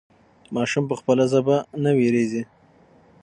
ماشوم په خپله ژبه نه وېرېږي.